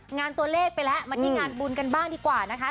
งานตัวเลขไปแล้วมาที่งานบุญกันบ้างดีกว่านะคะ